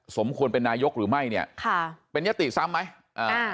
สมควรเป็นนายกหรือไม่เนี่ยค่ะเป็นยติซ้ำไหมอ่า